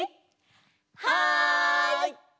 はい！